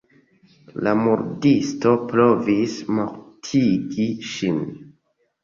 La murdisto provis mortigi ŝin.